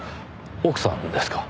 奥さんですか？